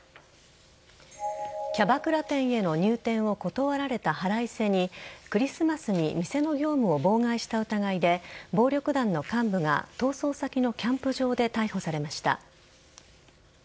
キャバクラ店への入店を断られた腹いせにクリスマスに店の業務を妨害した疑いで暴力団の幹部が逃走先のキャンプ場で逮捕されました。